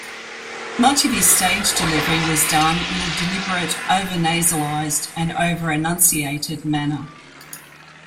Much of his stage delivery was done in a deliberate over-nasalized and over-enunciated manner.